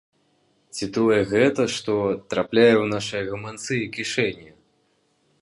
Ці тое гэта, што трапляе ў нашыя гаманцы і кішэні?